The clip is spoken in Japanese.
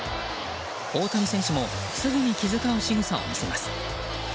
大谷選手もすぐに気遣うしぐさを見せます。